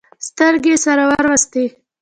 سترګې يې سره ور وستې.